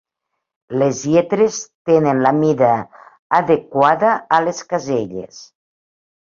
Les lletres tenen la mida adequada a les caselles.